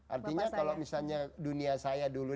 artinya kalau misalnya dunia saya dulu